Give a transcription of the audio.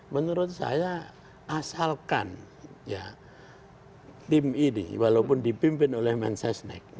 menurut saya asalkan ya tim ini walaupun dipimpin oleh mensesnek